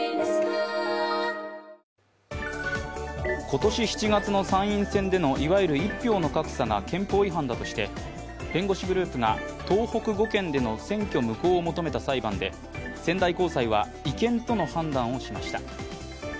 今年７月の参院選でのいわゆる一票の格差が憲法違反だとして弁護士グループが、東北５県での選挙無効を求めた裁判で仙台高裁は違憲との判断をしました。